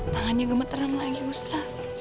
tangannya gemetaran lagi ustaz